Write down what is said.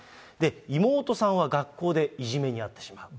妹さんは学校でいじめに遭ってしまう。